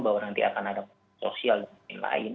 bahwa nanti akan ada sosial dan lain lain